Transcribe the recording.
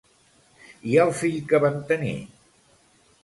I el fill que van tenir?